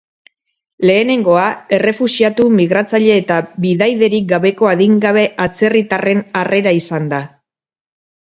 Lehenengoa, errefuxiatu, migratzaile eta bidaiderik gabeko adingabe atzerritarren harrera izan da.